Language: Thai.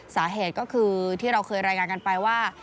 สาเหตุก็คือที่เราเคยรายงานกันไปว่า